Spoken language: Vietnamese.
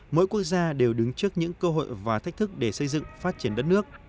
mỗi quốc gia đều đứng trước những cơ hội và thách thức để xây dựng phát triển đất nước